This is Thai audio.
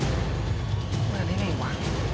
มาจากไหนเนี่ยวะ